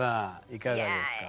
いかがですか？